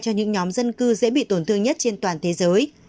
cho những nhóm dân cư dễ bị tổn thương nhất trên toàn thế giới